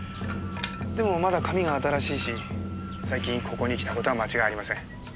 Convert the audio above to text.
でもまだ紙が新しいし最近ここに来た事は間違いありません。